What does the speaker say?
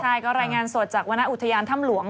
ใช่ก็รายงานสดจากวรรณอุทยานถ้ำหลวง